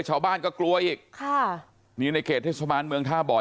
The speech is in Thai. ชาวบ้านก็กลัวอีกค่ะนี่ในเขตเทศบาลเมืองท่าบ่อ